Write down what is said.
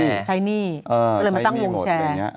เลยมาตั้งวงแชร์